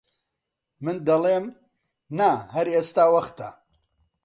من دەڵێم: نا هەر ئێستە وەختە!